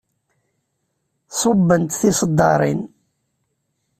Ṣubbent tiseddaṛin.